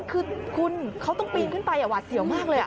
คุณเขาต้องปีนขึ้นไปอ่ะหวัดเสี่ยวมากเลยอ่ะ